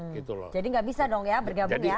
jadi tidak bisa dong ya bergabung ya